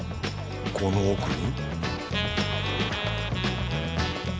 この奥に？